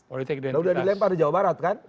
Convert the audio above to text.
sudah dilempar di jawa barat kan